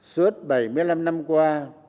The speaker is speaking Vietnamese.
suốt bảy mươi năm năm qua